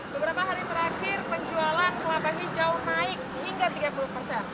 beberapa hari terakhir penjualan kelapa hijau naik hingga tiga puluh persen